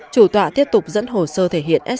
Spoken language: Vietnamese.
chủ tọa tiếp tục dẫn hồ sơ thể hiện